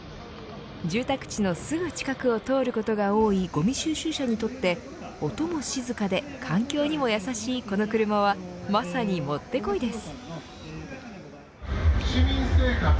住宅地のすぐ近くを通ることが多いごみ収集車にとって音も静かで環境にも優しいこの車はまさにもってこいです。